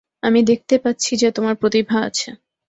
আমি দেখতে পাচ্ছি যে তোমার প্রতিভা আছে।